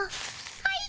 はい？